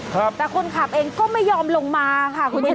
แต่คนขับเองก็ไม่ยอมลงมาค่ะคุณผู้ชม